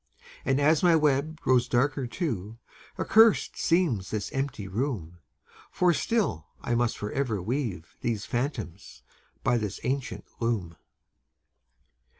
And as my web grows darker too, Accursed seems this empty room; For still I must forever weave These phantoms by this ancient loom.